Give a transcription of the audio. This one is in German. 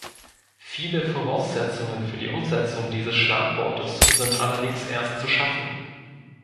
Viele Voraussetzungen für die Umsetzung dieses Schlagwortes sind allerdings erst zu schaffen.